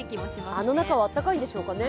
あの中は暖かいんでしょうかね。